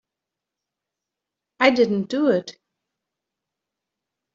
I didn't do it.